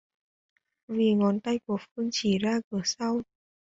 vì ngón tay của Phương chỉ ra ngoài cửa